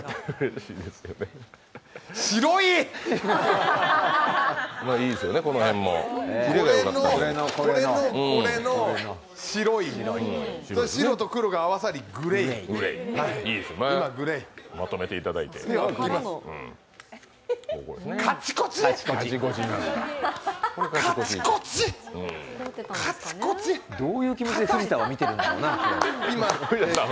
いいですよね、まとめていただいてどういう気持ちで藤田を見てるんだろうな。